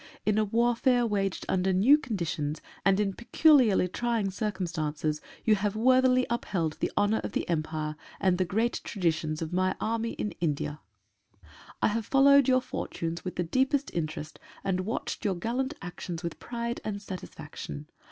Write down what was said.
In a warfare waged 1 under new conditions and in peculiarly trying circum stances, you have worthily upheld the honour of the Empire and the great traditions of My Army in India. 153 WELL MERITED APPRECIATION. I have followed your fortunes with the deepest interest and watched your gallant actions with pride and satisfaction.